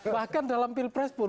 bahkan dalam pilpres pun